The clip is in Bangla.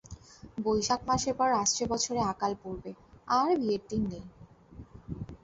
বৈশাখ মাসের পর আসছে বছরে আকাল পড়বে, আর বিয়ের দিন নেই।